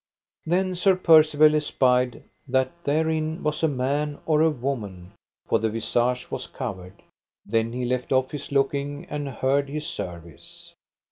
Then Sir Percivale espied that therein was a man or a woman, for the visage was covered; then he left off his looking and heard his service.